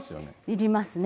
いりますね。